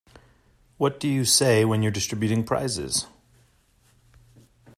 What do you say when you're distributing prizes?